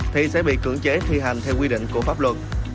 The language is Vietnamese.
thì sẽ bị cưỡng chế thi hành theo quy định của pháp luật